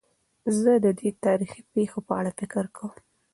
زه د دې تاریخي پېښو په اړه فکر کوم.